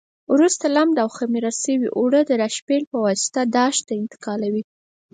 وروسته لمد او خمېره شوي اوړه د راشپېل په واسطه داش ته انتقالوي.